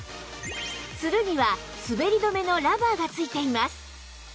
ツルには滑り止めのラバーが付いています